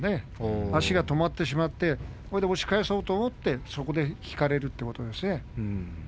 足が止まってしまって押し返そうと思ってそこで引かれるということです。